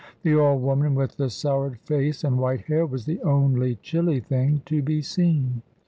The old woman with the soured face and white hair was the only chilly thing to be seen.